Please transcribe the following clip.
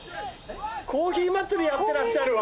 コーヒー祭りやってらっしゃるわ。